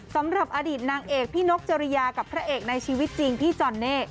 สำหรับอดีตนางเอกพี่นกจริยากับพระเอกในชีวิตจริงพี่จอนเน่